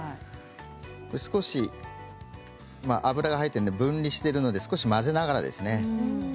少し油が入っているので分離しているので混ぜながら。